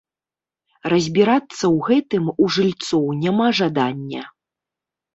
Разбірацца ў гэтым у жыльцоў няма жадання.